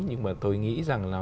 nhưng mà tôi nghĩ rằng là